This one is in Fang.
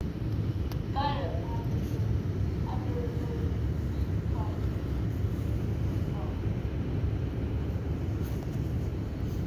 Kale à ne ve mimfokh,